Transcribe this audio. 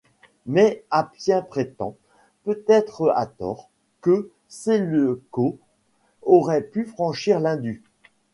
Mais Appien prétend, peut-être à tort, que Séleucos aurait pu franchir l'Indus.